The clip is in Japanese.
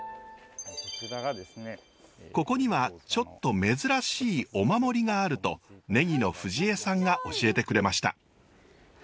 ここにはちょっと珍しいお守りがあると禰宜の藤江さんが教えてくれました。